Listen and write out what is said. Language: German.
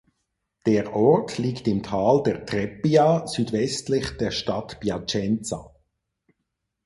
Der Ort liegt im Tal der Trebbia südwestlich der Stadt Piacenza.